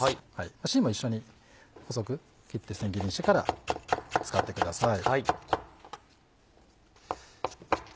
しんも一緒に細く切って千切りにしてから使ってください。